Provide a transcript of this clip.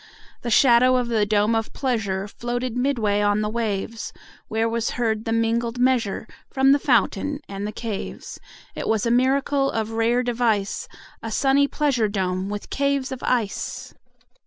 30 The shadow of the dome of pleasure Floated midway on the waves; Where was heard the mingled measure From the fountain and the caves. It was a miracle of rare device, 35 A sunny pleasure dome with caves of ice!